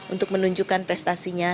untuk menunjukkan prestasinya